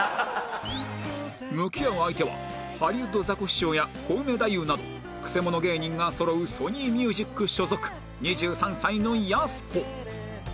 向き合う相手はハリウッドザコシショウやコウメ太夫などくせ者芸人がそろうソニー・ミュージック所属２３歳のやす子